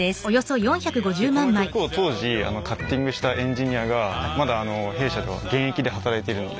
でこの曲を当時カッティングしたエンジニアがまだ弊社では現役で働いているので。